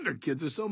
そう。